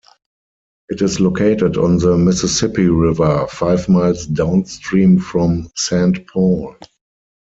It is located on the Mississippi River, five miles downstream from Saint Paul.